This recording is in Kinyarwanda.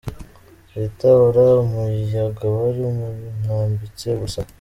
Rita Ora umuyaga wari umwambitse ubusa.